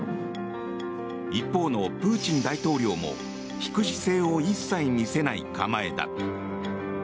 一方のプーチン大統領も引く姿勢を一切見せない構えだ。